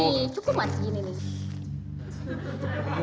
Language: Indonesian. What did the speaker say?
nih cukup banget gini nih